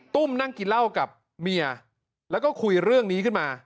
นั่งกินเหล้ากับเมียแล้วก็คุยเรื่องนี้ขึ้นมา